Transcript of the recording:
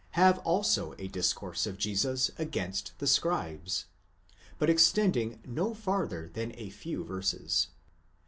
have also a discourse of Jesus against the scribes, γραμματεῖς, but extending no farther than a few verses.